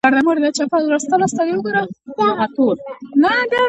هغه خپل سوځېدلي دوکان ته اشاره وکړه او ويې ويل.